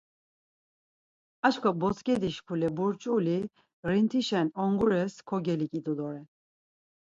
Ar çkva botzǩedi şkule burç̌uli ğrint̆işen ongures kogeliǩidu doren.